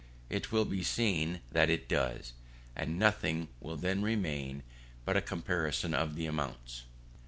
It will be seen that it does; and nothing will then remain but a comparison of the amounts.